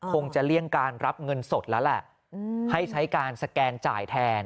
คงจะเลี่ยงการรับเงินสดแล้วแหละให้ใช้การสแกนจ่ายแทน